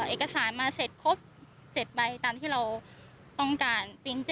เอกสารมาเสร็จครบ๗ใบตามที่เราต้องการปีน๗